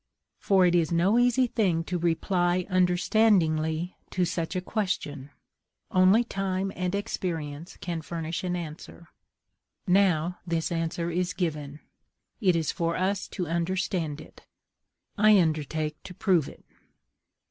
For it is no easy thing to reply understandingly to such a question; only time and experience can furnish an answer. Now, this answer is given; it is for us to understand it. I undertake to prove it.